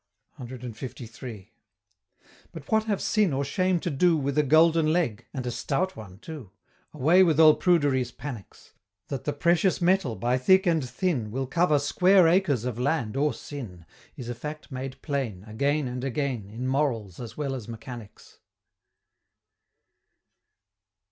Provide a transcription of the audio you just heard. CLIII. But what have sin or shame to do With a Golden Leg and a stout one too? Away with all Prudery's panics! That the precious metal, by thick and thin, Will cover square acres of land or sin, Is a fact made plain Again and again, In Morals as well as Mechanics.